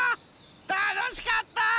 たのしかった！